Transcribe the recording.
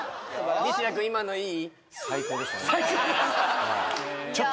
西田君今のいい？